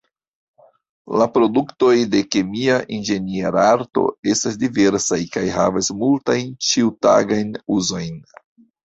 La produktoj de kemia inĝenierarto estas diversaj kaj havas multajn ĉiutagajn uzojn.